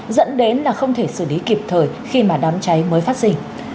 dẫn đến là không thể xử lý kịp thời khi mà đám cháy mới phát sinh